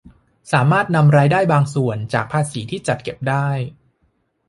สามารถนำรายได้บางส่วนจากภาษีที่จัดเก็บได้